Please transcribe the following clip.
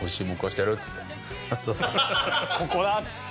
ここだっつって。